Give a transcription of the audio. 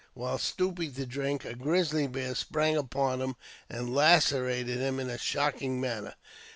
While stooping to drink, a grizzly bear sprang upon him, and lacerated him in a shocking manner.